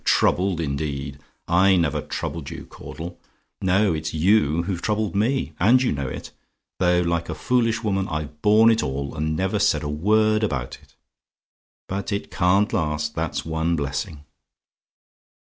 "Troubled, indeed! I never troubled you, Caudle. No; it's you who've troubled me; and you know it; though like a foolish woman I've borne it all, and never said a word about it. But it CAN'T last that's one blessing!